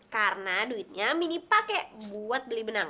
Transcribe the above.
karena duitnya mini pake buat beli benang